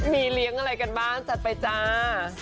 มีเลี้ยงอะไรกันบ้างจัดไปจ้า